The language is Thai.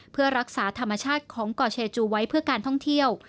เพื่อรักษาธรรมชาติของก่อเชจูไว้เพื่อการท่องเที่ยว